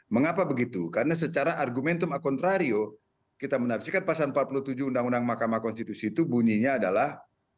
mengapa begitu karena secara argumentum a contrario kita menafsikan pasal empat puluh tujuh uu mk itu bunyinya adalah